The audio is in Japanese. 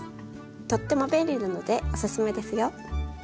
とっても便利なのでおすすめですよ。